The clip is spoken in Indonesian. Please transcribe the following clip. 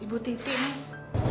ibu titi mas